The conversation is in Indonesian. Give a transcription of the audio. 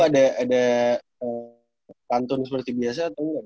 oh ada kantun seperti biasa atau engga